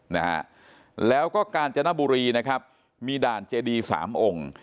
นะฮะแล้วก็กาญจนบุรีนะครับมีด่านเจดีสามองค์